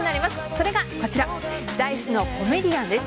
それがこちら、Ｄａ‐ｉＣＥの「コメディアン」です。